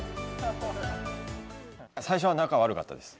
最初は仲悪かったです。